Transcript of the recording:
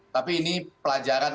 tapi ini pelajaran